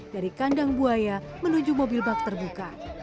dari kandang buaya menuju mobil bak terbuka